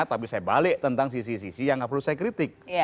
tapi saya balik tentang sisi sisi yang gak perlu saya kritik